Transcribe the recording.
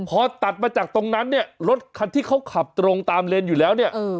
พอตัดมาจากตรงนั้นเนี่ยรถคันที่เขาขับตรงตามเลนอยู่แล้วเนี่ย